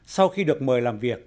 sau khi được mời làm việc